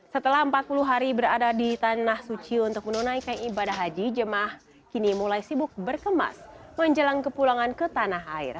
setelah empat puluh hari berada di tanah suci untuk menunaikan ibadah haji jemaah kini mulai sibuk berkemas menjelang kepulangan ke tanah air